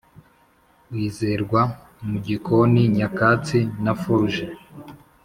wizerwa mugikoni, nyakatsi na forge,